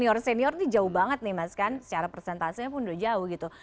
senior senior ini jauh banget nih mas kan secara persentasenya pun udah jauh gitu